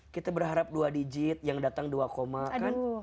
kita berharap dua digit yang datang dua koma kan